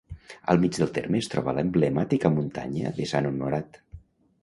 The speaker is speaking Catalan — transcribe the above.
Al mig del terme es troba l'emblemàtica muntanya de Sant Honorat.